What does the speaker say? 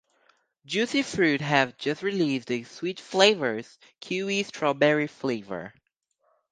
Juicy Fruit have just released a "Sweet Flavors" Kiwi-Strawberry flavor.